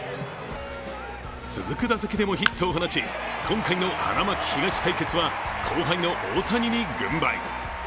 続く打席でもヒットを放ち、今回の花巻東対決は後輩の大谷に軍配。